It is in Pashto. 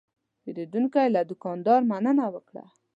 پیرودونکی له دوکاندار مننه وکړه.